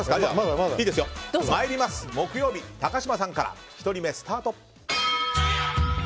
参ります、木曜日高嶋さんから１人目スタート。